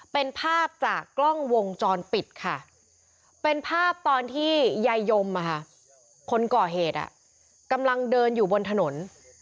เป็นภาพจากกล้องวงจรปิดค่ะเป็นภาพตอนที่ยายยมคนก่อเหตุกำลังเดินอยู่บนถนน